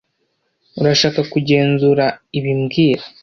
Urashaka kugenzura ibi mbwira